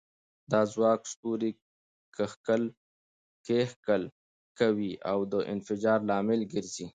دا ځواک ستوري کښیکښل کوي او د انفجار لامل ګرځي.